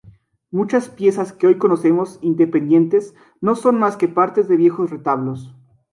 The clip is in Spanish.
Muchas piezas que hoy conocemos independientes no son más que partes de viejos retablos.